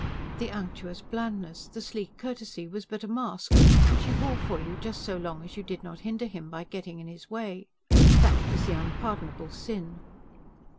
The unctuous blandness, the sleek courtesy was but a mask, which he wore for you just so long as you did not hinder him by getting in his way. That was the unpardonable sin.